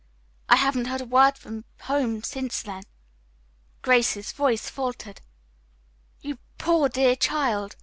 I haven't heard a word from home since then." Grace's voice faltered. "You poor, dear child!"